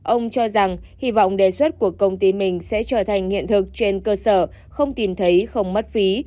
ông cho rằng hy vọng đề xuất của công ty mình sẽ trở thành hiện thực trên cơ sở không tìm thấy không mất phí